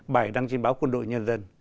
bài đăng trên báo quân đội nhân dân